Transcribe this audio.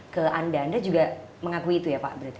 ke anda anda juga mengakui itu ya pak berarti